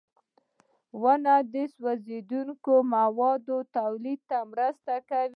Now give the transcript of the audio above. • ونه د سوځېدونکو موادو تولید ته مرسته کوي.